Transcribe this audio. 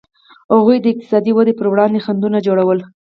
هغوی د اقتصادي ودې پر وړاندې خنډونه جوړول.